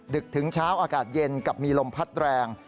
ดึกถึงเช้าอากาศเย็นกับมีลมพัดแรง